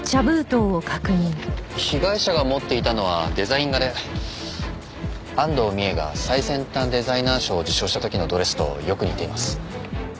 被害者が持っていたのはデザイン画で安藤美絵が最先端デザイナー賞を受賞した時のドレスとよく似ています。